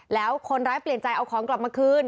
แล้วคนร้ายเปลี่ยนใจเอาของกลับมาคืน